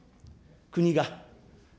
国が。